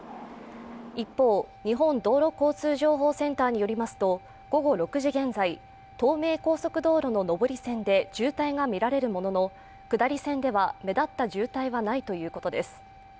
一方、日本道路交通情報センターによりますと、午後６時現在、東名高速道路の上り線で渋滞がみられるものの下り線では目立った渋滞はないということです。